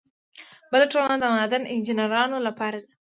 بله ټولنه د معدن انجینرانو لپاره ده.